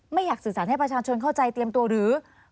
อยากสื่อสารให้ประชาชนเข้าใจเตรียมตัวหรือ